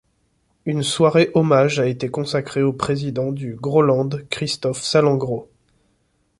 Une soirée hommage a été consacrée au président du Groland Christophe Salengro.